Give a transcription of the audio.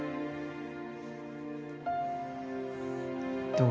どう？